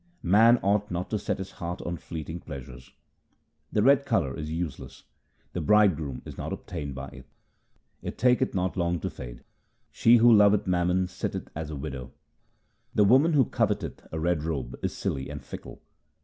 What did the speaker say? Man ought not to set his heart on fleeting plea sures :— The red colour is useless ; the Bridegroom is not obtained by it ; It taketh not long to fade. She who loveth mammon sitteth as a widow. The woman who coveteth a red robe is silly and fickle.